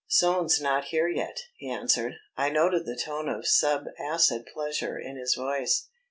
"Soane's not here yet," he answered. I noted the tone of sub acid pleasure in his voice.